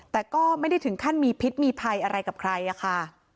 แต่ก็ไม่ได้ถึงขั้นมีพิษมีภัยอะไรกับใครอะค่ะ